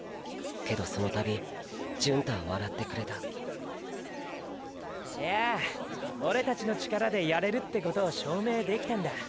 けどその度純太は笑ってくれたいやぁオレたちの力でやれるってことを証明できたんだ。